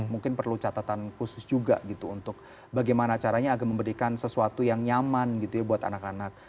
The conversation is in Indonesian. mungkin perlu catatan khusus juga gitu untuk bagaimana caranya agar memberikan sesuatu yang nyaman gitu ya buat anak anak